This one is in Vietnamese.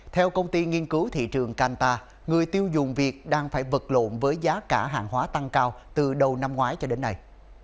theo công ty nghiên cứu thị trường canta người tiêu dùng việt đang phải vật lộn với giá cả hàng hóa tăng cao từ đầu năm ngoái cho đến nay